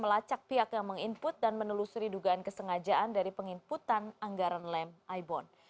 melacak pihak yang menginput dan menelusuri dugaan kesengajaan dari penginputan anggaran lem aibon